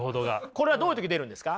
これはどういう時に出るんですか？